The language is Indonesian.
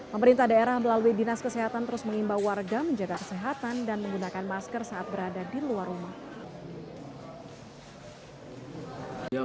pemerintah daerah melalui dinas kesehatan terus mengimbau warga menjaga kesehatan dan menggunakan masker saat berada di luar rumah